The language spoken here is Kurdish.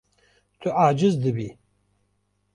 Tu aciz dibî.